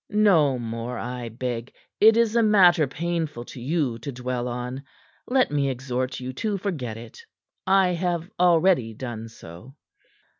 "No more, I beg. It is a matter painful to you to dwell on. Let me exhort you to forget it. I have already done so."